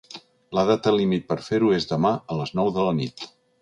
La data límit per fer-ho és demà a les nou de la nit.